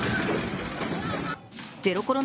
ゼロコロナ